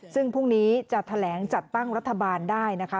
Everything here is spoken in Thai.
ซึ่งพรุ่งนี้จะแถลงจัดตั้งรัฐบาลได้นะคะ